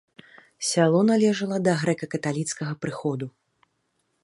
Сяло належала да грэка-каталіцкага прыходу.